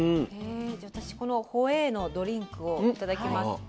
じゃあ私このホエーのドリンクを頂きます。